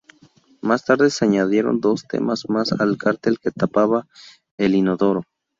Más tarde se añadieron dos temas más al cartel que tapaba el inodoro.